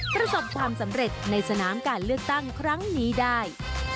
ประสบความสำเร็จในสนามการเลือกตั้งครั้งนี้ได้